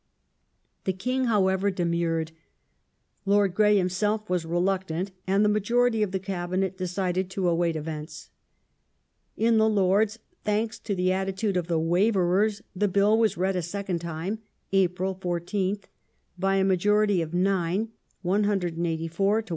^ The King, however, demurred ; Lord Grey himself was reluctant, and the majority of the Cabinet decided to await events. In the Lords, thanks mainly to the atti tude of the " waverers," the Bill was read a second time (April 14th) by a majority of nine (184 to 175).